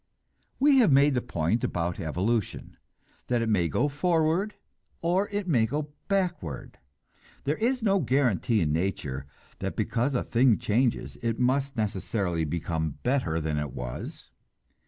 We have made the point about evolution, that it may go forward or it may go backward. There is no guarantee in nature that because a thing changes, it must necessarily become better than it was.